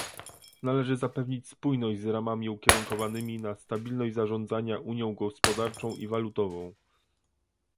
Należy zapewnić spójność z ramami ukierunkowanymi na stabilność zarządzania unią gospodarczą i walutową